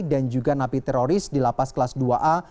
dan juga napi teroris di lapas kelas dua a